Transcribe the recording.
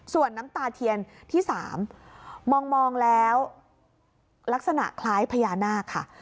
ส่วนน้ำตาเทียนที่๓มองแล้วลักษณะคล้ายพญานาคค่ะ